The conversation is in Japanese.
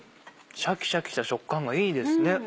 シャキシャキした食感がいいですね。